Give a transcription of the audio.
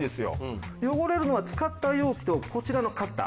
汚れるのは使った容器とこちらのカッター。